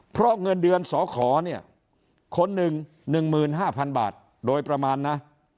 เพราะเงินเดือนสขเนี่ยคนหนึ่งหนึ่งหมื่นห้าพันบาทโดยประมาณนะ